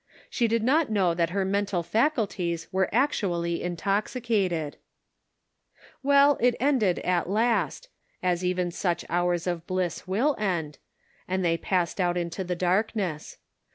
She did not know that her mental faculties were actu ally intoxicated ! Well, it ended at last, as even such hours of bliss will end, and they passed out into the darkness.